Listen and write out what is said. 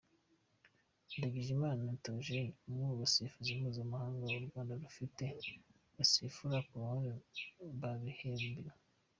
Ndagijimana Theogene umwe mu basifuzi mpuzamahanga u Rwanda rufite basifura ku ruhande yabihembewe.